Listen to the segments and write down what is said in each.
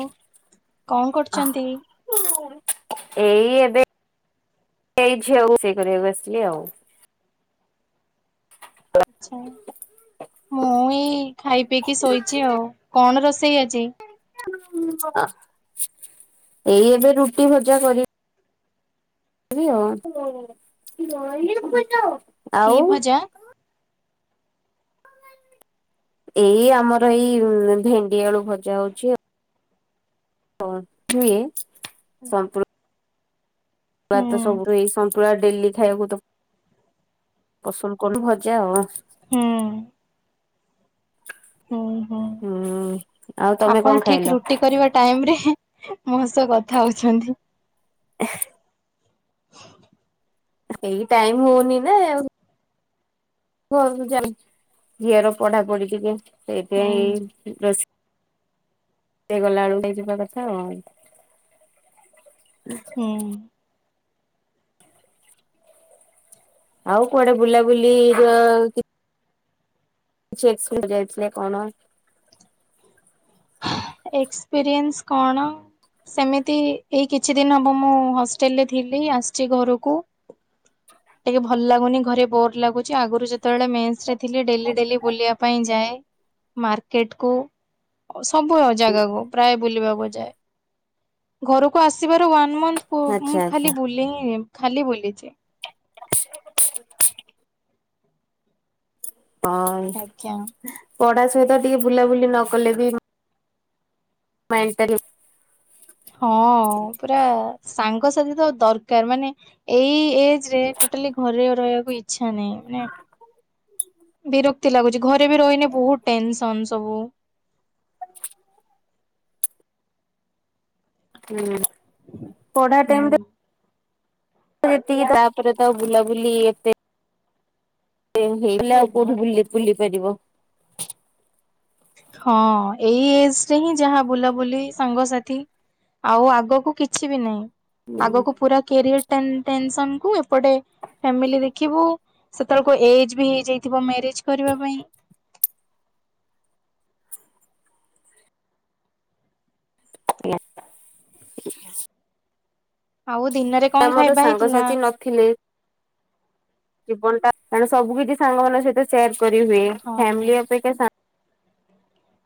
ଆଉ କଣ କରୁଛନ୍ତି? ଏଇ ଏବେ ଏଇ ଝିଅ ରୋଷେଇ କରିବାକୁ ଆସିଲି ଆଉ। [unintelligible] ଆଛା ମୁଁ ଏଇ ଖାଇ ପିଇକି ଶୋଇଛି ଆଉ। କଣ ରୋଷେଇ ଆଜି? ଆ ଏଇ ଏବେ ରୁଟି ଭଜା କରି ବି ଆଉ। କି ଆଉ ଭଜା? ଏଇ ଆମର ଏଇ ଉଁ ଭେଣ୍ଡି ଆଳୁ ଭଜା ହଉଛି ଆଉ। [unintelligible] ହୁଏ ସନ୍ତୁ ନ୍ତୁଳା ହୁଁ ତ ସବୁବେଳେ ଏଇ ସନ୍ତୁଳା ଡେଲି ଖାଇବାକୁ ତ ପସନ୍ଦ କରୁନୁ ଭଜା ଆଉ। ହୁଁ। ହୁଁ ହୁଁ ହୁଁ। ଆଉ ତମେ କଣ ଆପଣ ଖାଇଲ? ଠିକ ରୁଟ ଟି କରିବା ଟାଇମରେ ମୋ ସହ କଥା ହଉଛନ୍ତି। [unintelligible] ଏଇ ଟାଇମ ହଉନି ନା ଆଉ। ଘରକୁ ଯାଉଚି ଝିଅର ପଢାପଢି ଟିକେ ହୁଁ ସେଇଥିପାଇଁ ଏଇ ରୋଷ ଇ କଲାବେଳକୁ କଥା ହେଇଯିବା କଥା ଆଉ। ହଁ ଆଉ କୁଆଡେ ବୁଲାବୁଲି ଚେକ୍ ସ୍କୁଲ ଯାଇଥିଲେ କଣ? ଏକ୍ସପିରିଏନ୍ସ କଣ? ସେମିତି ଏଇ କିଛି ଦିନ ହବ ମୁଁ ହଷ୍ଟେଲରେ ଥିଲି ଆସିଛି ଘରକୁ ଟିକେ ଭଲ ଲାଗୁନି ଘରେ ବୋର ଲାଗୁଚ ଆଗରୁ ଯେତେବେଳେ ମେସ ରେ ଥିଲି ଡେଲି ଡେଲି ବୁଲିବା ପାଇଁ ଯାଏ। ମାର୍କେଟକୁ। ସବୁ ଜାଗାକୁ ପ୍ରାୟ ବୁଲିବାକୁ ଯାଏ। ଘରକୁ ଆସିବାର ୱାନ୍ ଆଚ୍ଛା ମନ୍ଥ ଆଚ୍ଛା ଖାଲି ବୁ ଖାଲି ବୁଲିଛି। ଆଜ୍ଞା ହଁ ପଢା ସହିତ ଟିକେ ବୁଲାବୁଲି ନ କଲେ ବି ମାଇଣ୍ଡ୍ ଟା ହଁ ପୁରା ସାଙ୍ଗସାଥି ତ ଦରକାର ମାନେ ଏଇ ଏଜରେ ଟଟାଲି ଘରେ ରହିବାକୁ ଇଚଛା ନାହିଁ ମାନେ ବିରକ୍ତି ଲାଗୁଛି ଘରେ ବି ରହିନି ବହୁତ ଟେନସନ ସବୁ ଆ ହୁଁ ପଢ଼ା ହୁଁ ଟାଇମରେ ଯେତିକି ତାପରେ ତ ବୁଲାବୁଲି ଏତେ ହେଇ ଆଉ କୋଉଠି ବୁ ବୁଲି ପାରିବ। ହଁ ଏଇ ଏଜ ରେ ହିଁ ଯାହା ବୁଲାବୁଲି ସାଙ୍ଗସାଥି ଆଉ ଆଗକୁ କିଛି ବି ନାହିଁ ହୁଁ ଆଗକୁ ପୁରା କ୍ୟାରିଅର ଟେନସନ କ ଏପଟେ ଫାମିଲି ଦେଖିବୁ ସେତେବେଳକୁ ଏଜ ବି ହେଇଯାଇଥିବ ମ୍ୟାରେଜ କରିବା ପାଇଁ। ଆଉ ଦିନ ରେ ତ ମର ସାଙ୍ଗସାଥି ନ ଥିଲେ ଜୀବନ ଟାଣ ସବୁ କିଛି ସାଙ୍ଗ ମଙ୍କ ସହିତ ସେୟାର କରିହୁୁଏ। ହଁ ଫ୍ୟାମିଲି ଆପେକ୍ଷା କେ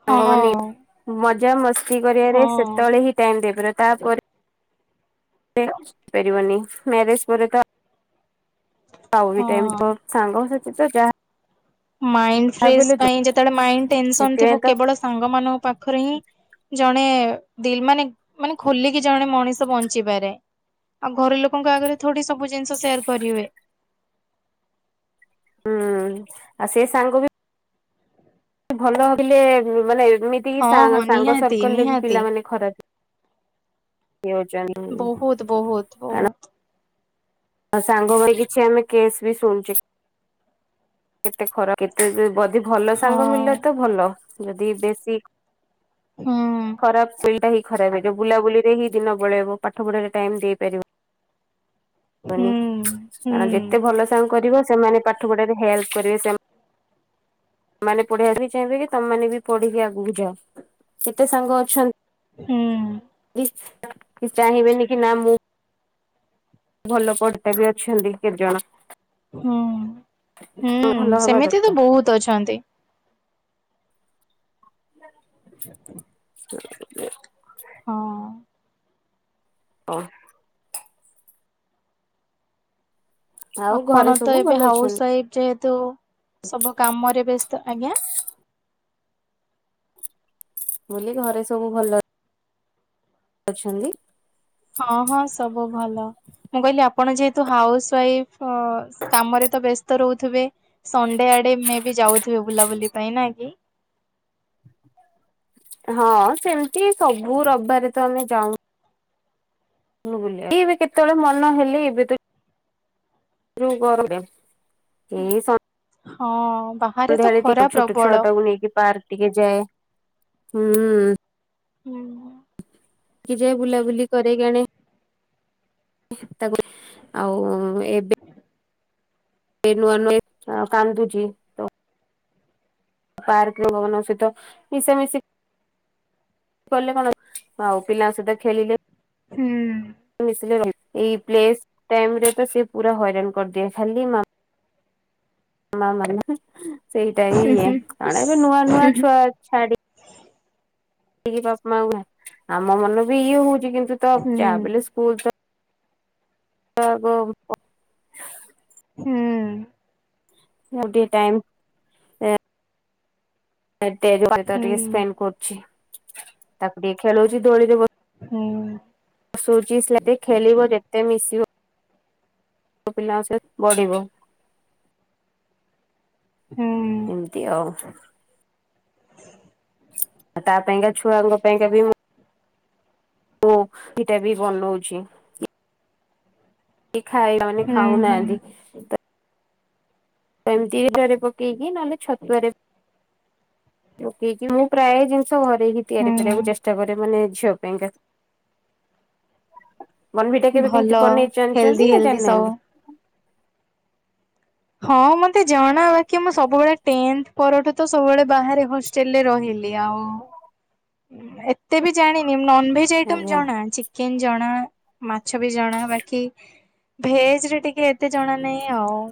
ହଁ ସାଙ୍ଗ ମାନ ମଜାାମସ୍ତି କରିବାରେ ହଁ ସେତେବେଳେ ହିଁ ଟାଇ ଦେଇପାର ତାପରୋରିବନି ମ୍ୟାରେଜ ପରେ ପାଉ ଟାଇମ ହଁ। ସଙ୍ଗା ମାଇ ଫ୍ରେଶ ପାଇଁ ଯେତେବେଳେ ମାଇ ଟେନସନ ସେଥିପାଇଁ ଥିବ ତ କେବଳ ସାଙ୍ଗ ମଙ୍କ ପାଖରେ ହିଁ ଜଣେ ଦିଲ୍ ମାନେ ମାନେ ଖୋଲିକି ଜଣେ ମଣିଷ ବଞ୍ଚିପାରେ ଆଉ ଘର ଲୋକଙ୍କ ଆଗରେ ଥଡି ସବୁ ଜିନିଷ ସେୟାର କରିହୁୁଏ ହୁଁ ଆଉ ସେ ସାଙ୍ଗ ବି ଭଲଥିଲେ ମାନେ ଏମିତିକ ହଁ ହଁ ସାଙ୍ଗ ନିହାତି ସର୍କଲ ରେ ବି ନିହାତି ପିଲାମାନୋନେ ଖରାପ ନିୟୋଜନ ବହୁତ ବହୁତ ବହୁତ ଆଉ ସାଙ୍ଗ ଭାଇ କିଛି ଆମେ କେସ୍ ବି ଶୁଣୁଛେ କେତେ ଖରା କେତେ ଯଦି ଭଲ ସାଙ୍ଗ ହଁ ମିଲ ତ ଭଲ ଯଦି ବେଶୀ ହୁଁ ଖରାପ ସୁବିଧା ହ ଖରାପ ହେଇଯ ବୁଲାବୁଲିରେ ହିଁ ଦିନ ବଳେଇବ ପାଠ ପଢାରେ ଟାଇମ ଦେଇପାରିବ ହୁଁ ନି ହୁଁ କାରଣ ଯେତେ ଭଲ ସାଙ୍ଗ କରିବ ସେମାନେ ପାଠ ପଢାରେ ହେଲ୍ପ କରିବେ ସେମାନେ ମାନେ ପଢେଇିବାକୁ ଚାହିଁବେ କି ତମମାନୋନେ ବି ପଢିକି ଆଗକୁ ଯାଅ କେତେ ସାଙ୍ଗ ଅଛନ୍ତି ହୁଁ। [unintelligible] ଚାହିଁବେନି କି ନା ମୁଁ ଭଲ ପଡିଟା ବି ଅଛନ୍ତି କେତେଜଣ ହୁଁ ହୁଁ ଭଲ ହବା ସେମିତି ତ ଦରକାର ବହୁତ ଅଛନ୍ତି ଆ ହଁ ହଁ ଆଉ ଘରେ ଆପଣ ତ ସବୁ ଏବେ ଭଲ ହାଉସ୍ ଅଛନ୍ତି ୱାଇଫ ଯେହେତୁ ସବୁ କାମରେ ବ୍ୟସ୍ତ ଆଜ୍ଞା ବୁଲି ଘରେ ସବୁ ଭଲ। ଅଛନ୍ତି? ହଁ ହଁ ସବୁ ଭଲ। ମୁଁ କହିଲି ଆପଣ ଯେହେତୁ ହାଉସ୍ ୱାଇଫ୍ ଅ କାମରେ ତ ବ୍ୟସ୍ତ ରହୁଥିବେ? ସଣ୍ଡେ ଆଡେ ମେବି ଯାଉଥିବେ ବୁଲାବୁଲି ପାଇଁ ନା କି? ହଁ ସେମିତି ସବୁ ରବିବାରେ ତ ଆମେ ଯାଉ ଇଏବି କେତେବେଳେ ମନ ହେଲେ ଏବେ ତ ରୁ ଗରୁ ଡେ [inaudible] ଏଇ ସ ହଁ ବା। ସନ୍ଧ୍ୟାରେ ଟିକେ ଛୋଟ ଛୁଆ ଟାକୁ ନେଇକି ପାର୍କ ଟିକେ ଯାଏ ହୁଁ। ହୁଁ। କି ଯାଏ ବୁଲାବୁଲି କରେଇକି ଆଣେ। ତାପରେ ଆଉ ଏବେ ଏ ନୂଆ-ନୂଆ -ଆ କାନ୍ଦୁଚି। ପାର୍କରେ ନୁଆମାନଙ୍କ ସହିତ ମିଶା ମିଶି କଲେ କଣ ଆଉ ପିଲାଙ୍କ ସହିତ ଖେଳିଲେ। ହୁଁ। ଏଇ ପ୍ଲେସ ଟାଇମ୍ ରେତ ସେ ପୁରା ହଇରାଣ କରିଦିଏ ଖାଲି ମାମା। ମାମା ନୁହେଁ ସେଇଟା ହୁଁ ଇଏ କଣ ଏବେ ନୂଆ ନୂଆ ହୁଁ ଛୁଆ ଛାଡି ଥିକି ବାପ ମାଙ୍କୁ ନାହିଁ ଆମ ମନ ବି ଇଏ ହୋଉଚି କିନ୍ତୁ ତ ହୁଁ ଯା ଵିହେଲେ ହୁଁ ସ୍କୁଲତ ତା ଗୋ ପଠ [unintelligible] ହେ ଆଉ ଟିକେ ଟାଇମ୍ ହେ ଟେ ହେଉ କରିଦେ ଟିକେ ସ୍ପେଣ୍ଡ କରୁଛି ତାକୁ ଟିକ ଖେଳଉଛି ଦୋଳିରେ ହୁଁ। ଶୋଉଚି ସିଆଡେ ଖେଳିବ ଯେତେ ମିଶିବ ଛୋଟ ପିଲାଆଙ୍କ ସହୀଇତ୍ ବଢିବ। ହୁଁ। ଏମିତି ଆଉ। ଆଉ ତା ପାଇଁକା ଛୁଆଙ୍କ ପାଇଁକା ବି ମୁଁ ତୋ ଏଇଟା ବି ବନୋଉଛି। କି ଖାଇବା ମାନେ ଖାଉନାହାନ୍ତି ତା ତ ଏମତି ଏଡାରେ ପକେଇକି ନହେଲେ ଛତୁଆରେ ପକେଇ କି ମୁଁ ପ୍ରାୟ ଜିନିଷ ଘରେ ହି ତିଆରି କରିବାକୁ ଚେଷ୍ଟା କରେ ମାନେ ଝିଅ ପାଇଁକା। ବନଭିି ଟା କେବେ ଭଲ କେମିତି ବନେଇ ହେଲ୍ଦି ଚାଣିଚନ୍ତି ନା ହେଲ୍ଦି ସବୁ। ଜାଣିନାହାନ୍ତି। ହଁ ମତେ ଜଣା ବାକି ମୁଁ ସବୁବେଳେ ଟେନ୍ଥ ପରଠୂ ତ ସବୁବେଳେ ବାହାରେ ହଷ୍ଟେଲରେ ରହିଲି ଆଉ। ଏତେ ବି ଜାଣିନି ନନଭେଜ୍ ଆଇଟମ୍ ଆଜ୍ଞା ଜଣା ଅଛି। ଚିକେନ୍ ଜଣା ମାଛ ବି ଜଣା ବାକି ଭେଜ୍ ରେ ଟିକେ ଏତେ ଜଣା ନାଇଁ ଆଉ।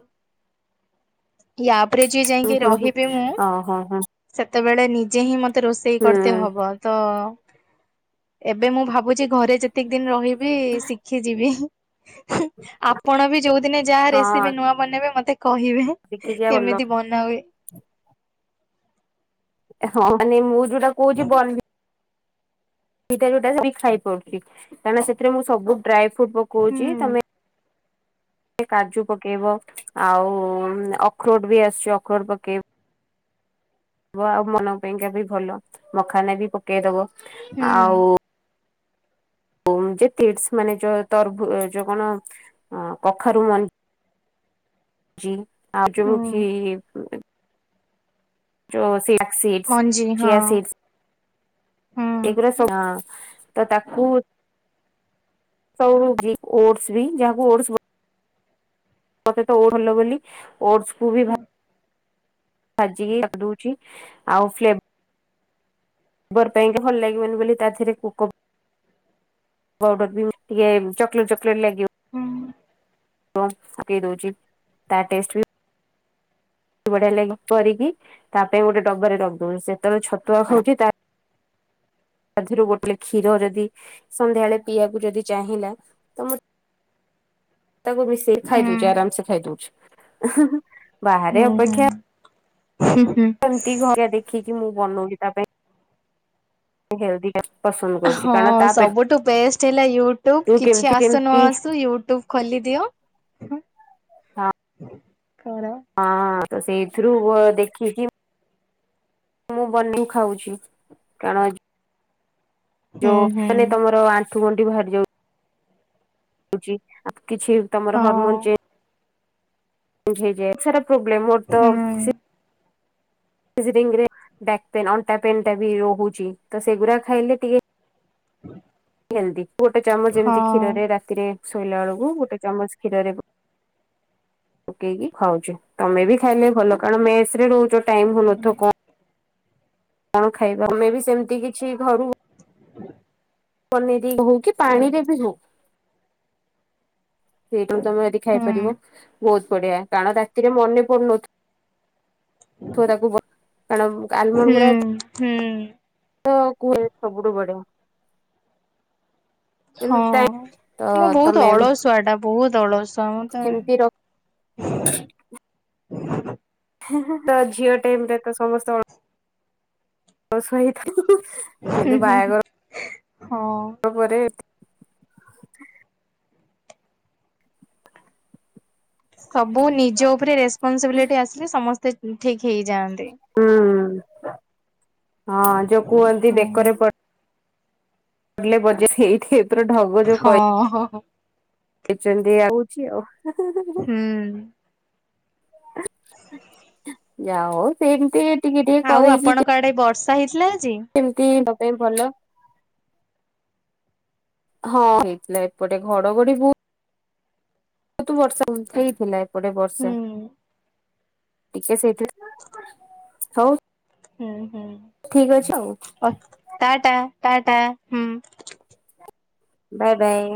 ୟାପରେ ଯିଏ ହୁଁ ଯାଇଁକି ହୁଁ ହୁଁ ରହିବି ମୁଁ ଓହୋ ହଁ ସେତେବେଳେ ନିଜେ ହିଁ ମତେ ରୋଷେଇ ହୁଁ କରତେ ହବ ତ ଏବେ ମୁଁ ଭାବୁଚି ଘରେ ଯେତିକି ଦିଇନି ରହିବି ଶିଖି ଯିବି। ହୁଁ ଆପଣ ବି ଯୋଉଦିନ ଯାହା ହଁ। ରେସିପି ନୂଆ ବନେଇବେ ମତେ କହିବେ। ଶିଖିଯିବା ଭଲ କେମିତି ବନା ହୁଏ? ହଁ ମାନେ ମୁଁ ଯୋଉଟା କହୁଚି ବ ସେଇଟା ଯୋଉଟା ସେଇଠି ଖାଇ ପାରୁଚି କାହିଁକିନା ସେଥିରେ ମୁଁ ସବୁ ଡ୍ରାଏ ଫ୍ରୁଟ ପକୋଉଚି ହୁଁ ତମେ କାଜୁ ପକେଇବ ଆଉ ଅଖରୋଟ୍ ବି ଆସୁଚି ଅଖରୋଟ୍ ପକେଇବ। ବ ଆଉ ମନ ପାଇଁକା ବି ଭଲ ମଖାନା ବି ପକେଇଦବ ହୁଁ ଆଉ ଯୋଉ ଯେ ତିଡ଼ସ୍ ମାନେ ଯୋଉ ତରଭ ଯୋଉ କଣ ଅଁ କଖାରୁ ମଞ୍ଜି ଜି ଆ ଯୋଉ ହୁଁ ଖି ଯଉ ଚିଆ ସିଡ୍ସ ମଞ୍ଜି ଚିଆ ହଁ ସିଡସ୍ ହୁଁ ଏଗୁରା ସ ତ ତାକୁ ସବୁ ଜି ଓଟସ ବି ଯାହା କୁ ଓଟସ ମତେ ତ ଓଲ ବୋଲି ଓଡ଼ସ କୁ ବି ହୁଁ ଭା ଭାଜିକି ରଖି ଦଉଚି ଆଉ ଫ୍ଲେ ବର ପାଇଁକା ଭଲ ଲାଗିବନି ବୋଲି କା ଦେହରେ କୋକୋ ବଉଡର ବି ଟିକେ ଚକଲେଟ୍ ଚକଲେଟ୍ ଲାଗିବ ହୁଁ ପକେଇ ଦଉଛି ତା ଟେଷ୍ଟ ବି ବଢଆ ଲ କରିକି ତା ପାଇଁ ଗୋଟେ ଡବରେ ରଖଦଉଛି ସେତେବେଳେ ଛତୁଆ ହଉଛି ତା ତାରୁ ଗୋଟେ କ୍ଷୀର ଯଦି ସନ୍ଧ୍ୟାବେଳେ ପିଇବାକୁ ଯଦି ଚାହିଁଲା ତ ମୁଁ ତାକୁ ମିଶେଇ ଖାଇ ହୁଁ ଦଉଚି ଆରାମସେ ଖାଇ ଦଉଚି। ଉଁ ହୁଁ। ସେମତି ଘରଆ ଦେଖିକି ମୁଁ ବନଉିଚି ତା ପାଇଁ। ହେଲେଦି ହଁ ସବୁଠୁ ବେଷ୍ଟ ହେଲା ୟୁଟ୍ୟୁବ ପେଟରୁ କିଛି କେମିତି ଆସୁନ କେମିତି ଆସୁ ୟୁଟ୍ୟୁବ ଖୋଲିଦିଅ କର। ହଁ ତ ସେଇଥିରୁ ବ ଦେଖିକି ମୁଁ ବନେଇ ଖାଉଛି କାରଣ ହୁଁ ଯୋଉ ହୁଁ ମାନେ ତମର ଆଣ୍ଠୁ ଗଣ୍ଠି ବାହାରି ଯାଉ କିଛି ତମର ହରମନ ହଁ ଚେଞ୍ଜ ହେଇଯାଏ ସେଟା ପ୍ରୋବ୍ଲେମ ମୋର ତ ହୁଁ ସେ ସିଜିରିଙ୍ଗ ବ୍ୟାକ ପେନ୍ ଅଣ୍ଟା ପେନ୍ ଟା ବି ରହୁଚି ତ ସେଗୁଡା ଖାଇଲେ ଟିକେ ହଁ ଏନ୍ତି ଗୋଟେ ଚାମଚ ଏମିତି ଖିର ରେ ରାତିରେ ଶୋଇଲା ବେଳକୁ ଗୋଟେ ଚାମଚ ଗୋ ପକେଇକି ଖାଉଚୁ ତମେ ବି ଖାଇଲେ ଭଲ କାରଣ ମେସ ରେ ରହୁଚ ଟାଇମ ହଉନଥ କଣ କଣ ଖାଇବା ଆମେ ବି ସେମତି କିଛି ଘରୁ ପନିର ହଉ କି ପାଣି ରେ ବି ହଉ ସେଇଟାକୁ ତମେ ଯଦି ହୁଁ ଖାଇପାରିବ ବହୁତ ବଢିଆ କାରଣ ରାତିରେ ମନେ ପଡୁନିଥିବ ତା ଖୁ କାରଣ ଆଲମଣ୍ଡ ହୁଁ ଗୁରା ତ ହୁଁ ତ କୁହେ ସବୁଠୁ ବଢିଆ। କିନ୍ତୁ ହଁ ତ ମୁଁ ବହୁତ ତମେ ଅଳସୁଆ ଟା। ବହୁତ ଅଳସୁଅ ମୁଁ ତମେ ଏମିତି ରଖ ତ ଝିଅ ଟାଇମ ରେ ତ ସମସ୍ତେ ଅଳ ସୁଆ ହେଇଥାଉ କିନ୍ତୁ ବାହାଘର ହଁ ର ପରେ ସବୁ ନିଜ ଉପରେ ରେସପନସିବିଲିଟି ଆସିଲେ ସମସ୍ତେ ଠିକ ହେଇଯାଆନ୍ତି। ହୁଁ ହଁ ଯୋଉ କୁହନ୍ତି ବେକରେ ପ ପଡିଲେ ବଜେଇ ସେଇଠି ଟାଇପ୍ ର ଢଗ ଯୋଉ କହି ହଁ ହଁ ହଁ। ଛନ୍ତି ଆଉଚି ଆଉ। ହୁଁ। ଯାଆ ହୋଉ ସେମିତି ଟିକେ ଟିକେ ଆଉ ଆପଣଙ୍କ ଆଡେ ବର୍ଷା ହେଇଥିଲା ଆଜି? କେମିତି ହବା ବି ପାଇଁ ଭଲ। ହଁ ହେଇଥିଲା ଏପଟେ ଘଡଘଡି ବହୁତ ବତୁ ବର୍ଷା ହେଇଥିଲା ଏପଟେ ହୁଁ ବର୍ଷା। ଟିକେ ସେଇଠି ହଉ ହୁଁ ହୁଁ। ଠିକ ଅଛି ଆଉ। ଏ ଟାଟା ଟାଟା ହୁଁ। Bye bye.